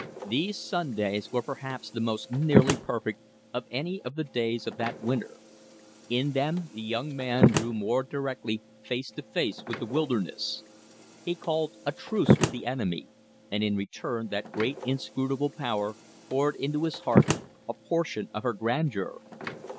These Sundays were perhaps the most nearly perfect of any of the days of that winter. In them the young man drew more directly face to face with the wilderness. He called a truce with the enemy; and in return that great inscrutable power poured into his heart a portion of her grandeur.